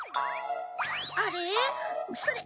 あれ？